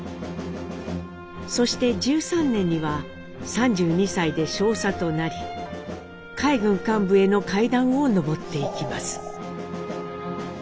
そして１３年には３２歳で少佐となり海軍幹部への階段を上っていきます。